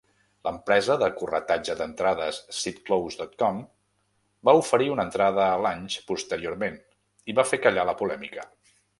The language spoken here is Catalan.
L'empresa de corretatge d'entrades "sitclose dot com" va oferir una entrada a Lange posteriorment, i va fer callar la polèmica.